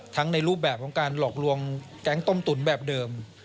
ในรูปแบบของการหลอกลวงแก๊งต้มตุ๋นแบบเดิม